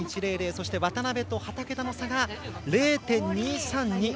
そして渡部と畠田の差が０．２３２。